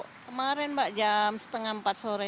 kemarin pak jam setengah empat sore